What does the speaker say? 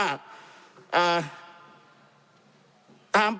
จำนวนเนื้อที่ดินทั้งหมด๑๒๒๐๐๐ไร่